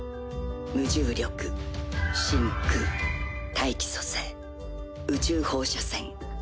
無重力真空大気組成宇宙放射線。